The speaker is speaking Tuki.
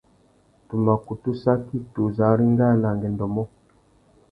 Tu mà kutu saki tu zu arengāna angüêndô mô.